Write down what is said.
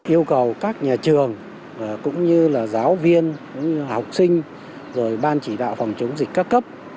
yêu cầu các nhà trường cũng như là giáo viên cũng như học sinh rồi ban chỉ đạo phòng chống dịch các cấp